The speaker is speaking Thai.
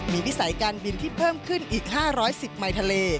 มีพิสัยการบินที่เพิ่มขึ้นอีก๕๑๐ไมค์ทะเล